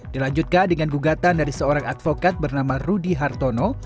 dilanjutkan dengan gugatan dari seorang advokat bernama rudy hartono